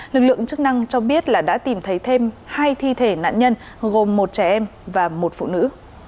lực lượng chức năng cho biết là đã tìm thấy thêm hai thi thể nạn nhân gồm một trẻ em và một phụ nữ